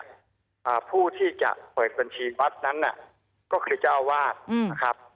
อ่าผู้ที่จะเปิดบัญชีวัดนั้นน่ะก็คือเจ้าอาวาสนะครับ